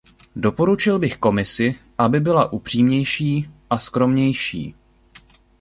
Doporučil bych Komisi, aby byla upřímnější a skromnější.